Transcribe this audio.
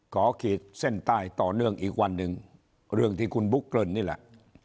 ขีดเส้นใต้ต่อเนื่องอีกวันหนึ่งเรื่องที่คุณบุ๊กเกริ่นนี่แหละ